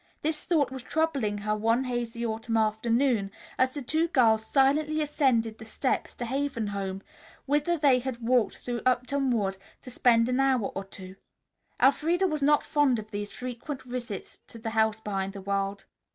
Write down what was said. This thought was troubling her one hazy autumn afternoon as the two girls silently ascended the steps to Haven Home, whither they had walked through Upton Wood, to spend an hour or two. Elfreda was not fond of these frequent visits to the House Behind the World.